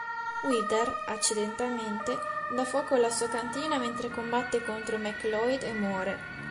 Wilder accidentalmente dà fuoco alla sua cantina mentre combatte contro MacLeod e muore.